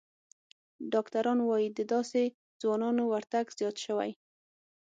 ډاکتران وايي، د داسې ځوانانو ورتګ زیات شوی